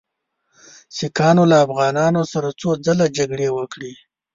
سیکهانو له افغانانو سره څو ځله جګړې وکړې.